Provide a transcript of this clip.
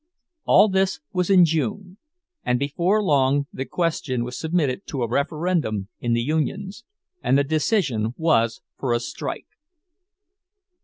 All this was in June; and before long the question was submitted to a referendum in the unions, and the decision was for a strike.